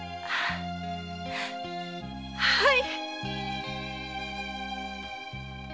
はい！